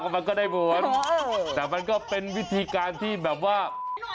มันก็ได้ผลแต่มันก็เป็นวิธีการที่แบบว่า